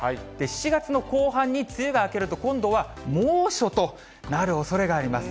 ７月の後半に梅雨が明けると、今度は猛暑となるおそれがあります。